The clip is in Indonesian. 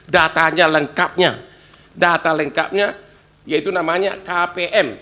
datanya lengkapnya data lengkapnya yaitu namanya kpm